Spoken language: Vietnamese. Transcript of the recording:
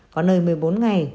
có nơi một mươi bốn ngày